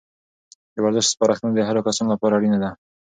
د ورزش سپارښتنه د هرو کسانو لپاره اړینه ده.